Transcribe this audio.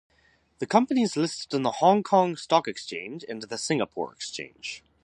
The company is listed on the Hong Kong Stock Exchange and the Singapore Exchange.